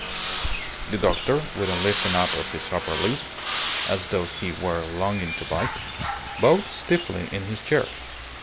The doctor, with a lifting up of his upper lip, as though he were longing to bite, bowed stiffly in his chair.